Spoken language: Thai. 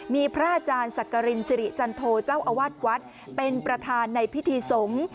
มีพระอาจารย์ศักรินสิริจันโทเจ้าอาวาสวัดเป็นประธานในพิธีสงฆ์